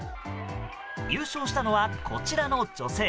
優勝したのは、こちらの女性。